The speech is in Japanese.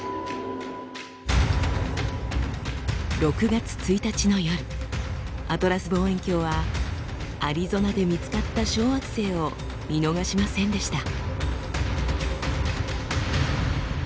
６月１日の夜ＡＴＬＡＳ望遠鏡はアリゾナで見つかった小惑星を見逃しませんでした。